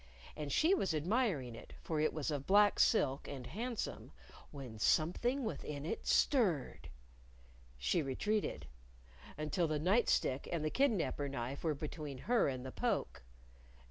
And she was admiring it, for it was of black silk, and handsome, when something within it stirred! She retreated until the night stick and the kidnaper knife were between her and the poke.